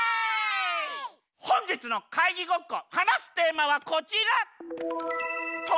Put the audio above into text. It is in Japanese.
ほんじつのかいぎごっこはなすテーマはこちら。